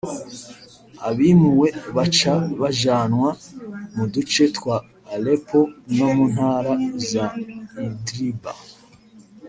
abimuwe baca bajanwa mu duce twa Aleppo no mu ntara za Idlib